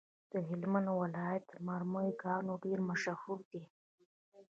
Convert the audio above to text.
د هلمند ولایت د مرمرو کانونه ډیر مشهور دي.